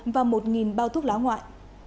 và thuốc lá ngoại